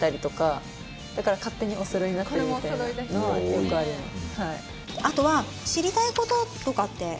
よくあります。